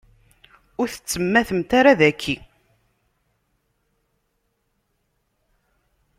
Ur tettemmatemt ara daki.